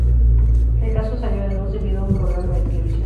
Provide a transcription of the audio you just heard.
El caso salió a la luz debido a un programa de televisión.